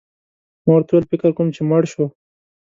ما ورته وویل: فکر کوم چي مړ شو.